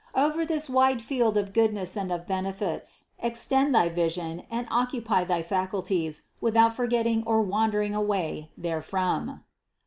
Over this wide field of good ness and of benefits extend thy vision and occupy thy faculties without forgetting or wandering away there from.